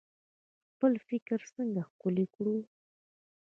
خپل فکر څنګه ښکلی کړو؟